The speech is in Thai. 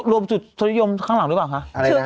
รวมจุดสนิยมข้างหลังด้วยก่อนค่ะ